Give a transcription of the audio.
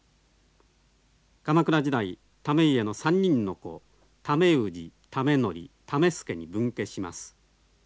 鎌倉時代為家の３人の子為氏為教為相に分家します。